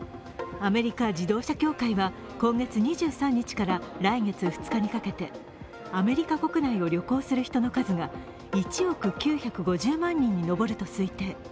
アメリカ自動車協会は今月２３日から来月２日にかけてアメリカ国内を旅行する人の数が１億９５０万人に上ると推定。